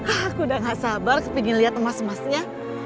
aku udah gak sabar kepengen liat emas emasnya